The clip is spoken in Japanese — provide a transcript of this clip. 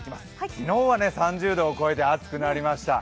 昨日は３０度を超えて暑くなりました。